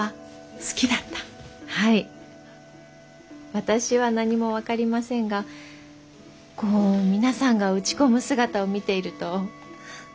私は何も分かりませんがこう皆さんが打ち込む姿を見ていると何だかワクワクして。